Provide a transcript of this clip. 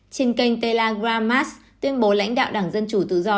trên kênh tellagramas tuyên bố lãnh đạo đảng dân chủ tự do